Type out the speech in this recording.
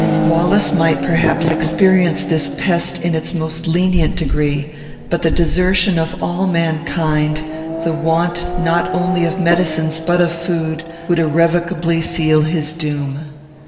Wallace might, perhaps, experience this pest in its most lenient degree; but the desertion of all mankind, the want not only of medicines but of food, would irrevocably seal his doom.